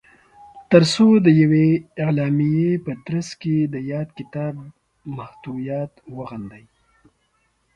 تر څو د یوې اعلامیې په ترځ کې د یاد کتاب محتویات وغندي